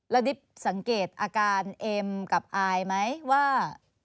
แล้วดิบสังเกตอาการเอ็มกับอายไหมว่า